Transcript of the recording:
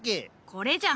これじゃ。